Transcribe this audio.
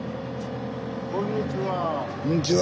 こんにちは。